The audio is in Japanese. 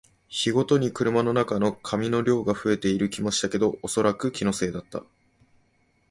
日ごとに車の中の紙の量が増えている気もしたけど、おそらく気のせいだった